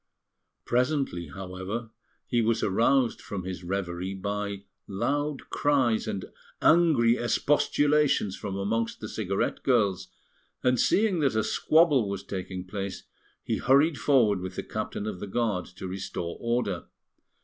Presently, however, he was aroused from his reverie by loud cries and angry expostulations from amongst the cigarette girls, and seeing that a squabble was taking place, he hurried forward with the Captain of the Guard to restore order.